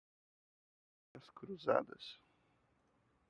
Linhas cruzadas